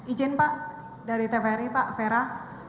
izin pak dari tvri pak fera